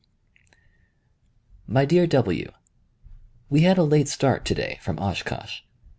My dear W : We had a late start to day from Oshkosh.